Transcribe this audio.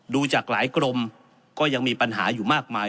ดูจากหลายกรมก็ยังมีปัญหาอยู่มากมาย